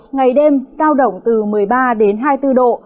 ngày đêm giao động từ một mươi ba đến hai mươi bốn độ